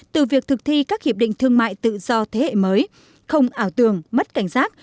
từ việc thực thi các hiệp định thương mại tự do thế hệ mới không ảo tường mất cảnh giác